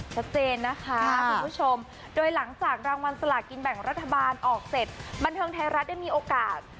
ชัดเจนนะคะคุณผู้ชมโดยหลังจากรางวัลสลากินแบ่งรัฐบาลออกเสร็จบันเทิงไทยรัฐได้มีโอกาส